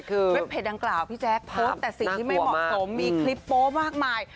คือด้วยเพจดังกล่าวพี่แจ๊คโพสต์แต่สิ่งที่ไม่เหมาะสมมีคลิปโป๊มากมาย